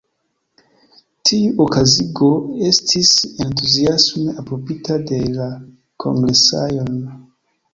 Tiu okazigo estis entuziasme aprobita de la kongresanoj.